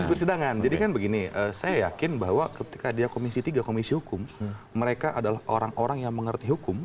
di persidangan jadi kan begini saya yakin bahwa ketika dia komisi tiga komisi hukum mereka adalah orang orang yang mengerti hukum